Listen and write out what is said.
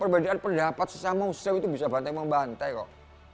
perbedaan pendapat sesama usia itu bisa bantai membantai kok